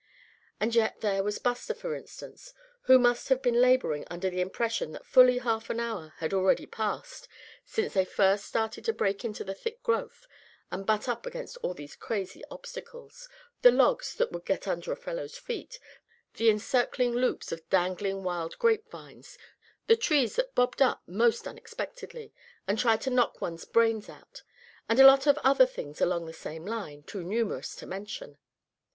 And yet there was Buster, for instance, who must have been laboring under the impression that fully half an hour had already passed since they first started to break into the thick growth, and butt up against all these crazy obstacles the logs that would get under a fellow's feet, the encircling loops of dangling wild grape vines; the trees that bobbed up most unexpectedly, and tried to knock one's brains out, and a lot of other things along the same line "too numerous to mention."